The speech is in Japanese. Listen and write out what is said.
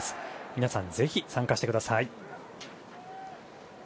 皆さん、ご参加してください。